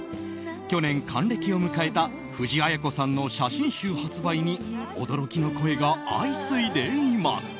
去年、還暦を迎えた藤あや子さんの写真集発売に驚きの声が相次いでいます。